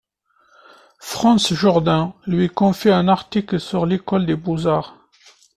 Frantz Jourdain, lui confie un article sur l’École des Beaux-Arts.